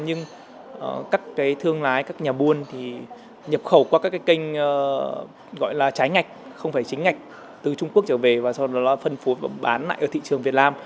nhưng các cái thương lái các nhà buôn thì nhập khẩu qua các cái kênh gọi là trái ngạch không phải chính ngạch từ trung quốc trở về và sau đó nó phân phối và bán lại ở thị trường việt nam